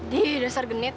dih dasar genit